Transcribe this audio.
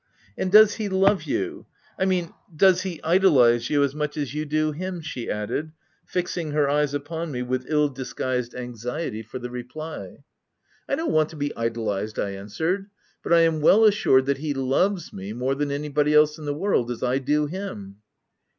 " And does he love you — I mean, does he ido lize you as much as you do him?" she added, fixing her eyes upon me with ill disguised anxiety for the reply. " I don't want to be idolized," I answered, " but I am well assured that he loves me more than anybody else in the world — as I do him."